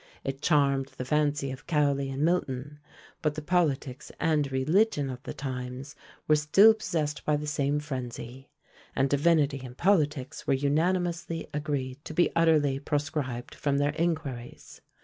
It charmed the fancy of Cowley and Milton; but the politics and religion of the times were still possessed by the same frenzy, and divinity and politics were unanimously agreed to be utterly proscribed from their inquiries.